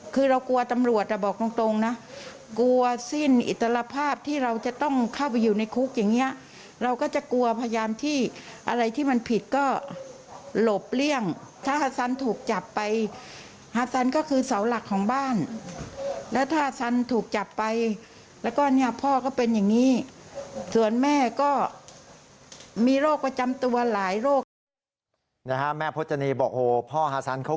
คือเรากลัวตำรวจอ่ะบอกตรงตรงนะกลัวสิ้นอิตรภาพที่เราจะต้องเข้าไปอยู่ในคุกอย่างเงี้ยเราก็จะกลัวพยานที่อะไรที่มันผิดก็หลบเลี่ยงถ้าฮาซันถูกจับไปฮาซันก็คือเสาหลักของบ้านแล้วถ้าซันถูกจับไปแล้วก็เนี่ยพ่อก็เป็นอย่างนี้ส่วนแม่ก็มีโรคประจำตัวหลายโรคเลยนะฮะแม่พจนีบอกโหพ่อฮาซันเขา